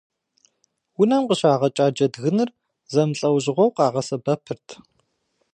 Унэм къыщагъэкӏа джэдгыныр зэмылӏэужьыгъуэу къагъэсэбэпырт.